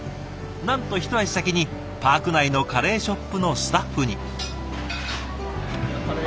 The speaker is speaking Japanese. なんと一足先にパーク内のカレーショップのスタッフに。